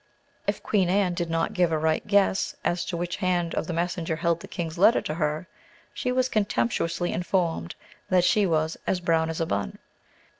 If "Queen Anne" did not give a right guess as to which hand of the messenger held the king's letter to her, she was contemptuously informed that she was "as brown as a bun."